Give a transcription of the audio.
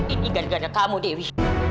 ini gara gara kamu dewi